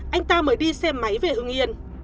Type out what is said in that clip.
anh ta mới đi xe máy về hưng yên